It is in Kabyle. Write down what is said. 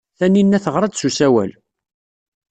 Taninna teɣra-d s usawal.